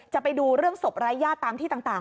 จะไปดูเรื่องศพรายญาติตามที่ต่าง